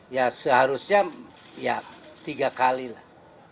ya seharusnya ya tiga kali lah